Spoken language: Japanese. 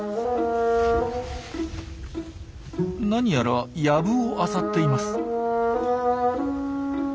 なにやら藪をあさっています。